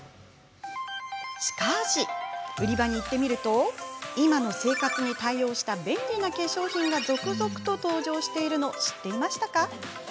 しかし、売り場に行ってみると今の生活に対応した便利な化粧品が続々と登場しているの知ってました？